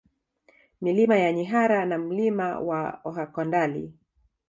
Milima ya Nyihara na Mlima wa Ohakwandali